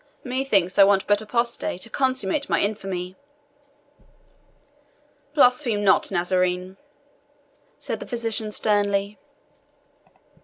Methinks I want but apostasy to consummate my infamy." "Blaspheme not, Nazarene," said the physician sternly.